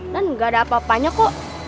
dan gak ada apa apanya kok